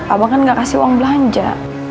abang kan gak kasih uang belanja